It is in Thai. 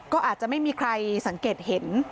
ก็อาจจะไม่มีใครสังเกตเห็น